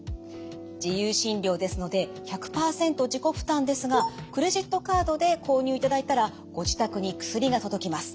「自由診療ですので１００％自己負担ですがクレジットカードで購入いただいたらご自宅に薬が届きます。